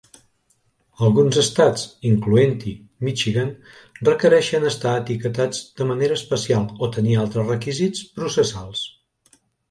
Alguns estats, incloent-hi Michigan, requereixen estar etiquetats de manera especial o tenir altres requisits processals.